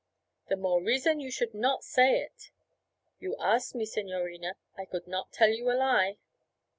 'The more reason you should not say it.' 'You asked me, signorina; I could not tell you a lie.'